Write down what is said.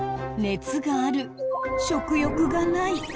熱がある食欲がない。